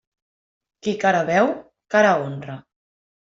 Qui cara veu, cara honra.